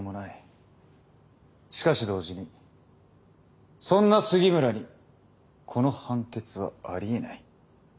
しかし同時にそんな杉村にこの判決はありえない。